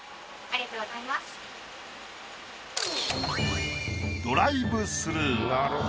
ありがとうございます。